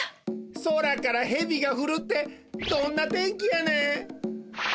空からヘビがふるってどんな天気やねん！